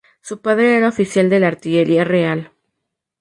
Su padre era oficial de la Artillería Real.